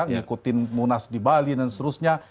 ngikutin munas di bali dan seterusnya